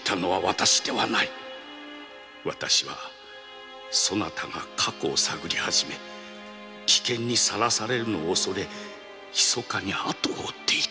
「私はそなたが過去を知り危険にさらされるのを恐れて秘かにあとを追っていたのだ」